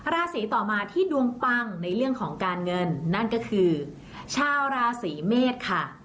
ราศีต่อมาที่ดวงปังในเรื่องของการเงินนั่นก็คือชาวราศีเมษค่ะ